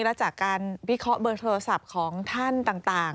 และจากการวิเคราะห์เบอร์โทรศัพท์ของท่านต่าง